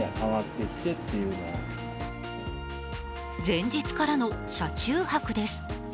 前日からの車中泊です。